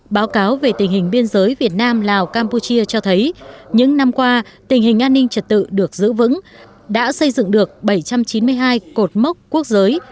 báo cáo về tình hình biên giới việt nam lào campuchia cho thấy những năm qua tình hình an ninh trật tự được giữ vững đã xây dựng được bảy trăm chín mươi hai cột mốc quốc giới